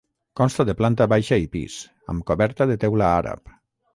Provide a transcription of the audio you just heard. Consta de planta baixa i pis, amb coberta de teula àrab.